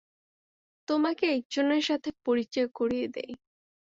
তোমাকে একজনের সাথে পরিচয় করিয়ে দিই।